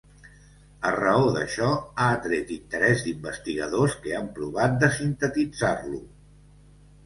A raó d'això, ha atret interès d'investigadors que han provat de sintetitzar-lo.